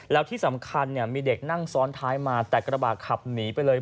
แล้วที่สำคัญเนี่ยมีเด็กนั่งซ้อนท้ายมาแต่กระบะขับหนีไปเลย